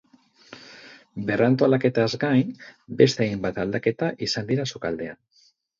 Berrantolaketaz gain, beste hainbat aldaketa izan dira sukaldean.